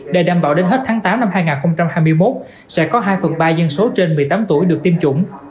để đảm bảo đến hết tháng tám năm hai nghìn hai mươi một sẽ có hai phần ba dân số trên một mươi tám tuổi được tiêm chủng